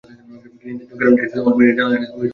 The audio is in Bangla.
কিনে দিয়েছিল কারণ সেটা অল্টম্যানের জানালায় টাঙানো থাকতো।